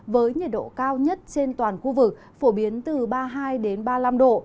với nhiệt độ cao nhất trên toàn khu vực phổ biến từ ba mươi hai ba mươi năm độ